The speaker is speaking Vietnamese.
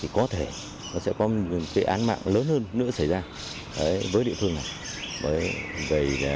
có thể có kẻ án mạng lớn hơn nữa xảy ra với địa phương này